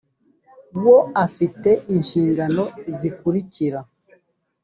wo afite inshingano zikurikira